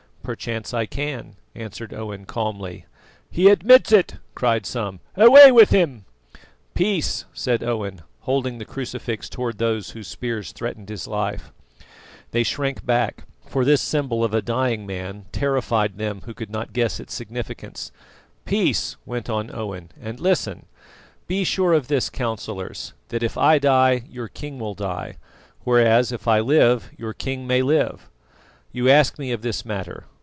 "Perchance I can," answered Owen calmly. "He admits it!" cried some. "Away with him!" "Peace!" said Owen, holding the crucifix towards those whose spears threatened his life. They shrank back, for this symbol of a dying man terrified them who could not guess its significance. "Peace," went on Owen, "and listen. Be sure of this, Councillors, that if I die, your king will die; whereas if I live, your king may live. You ask me of this matter.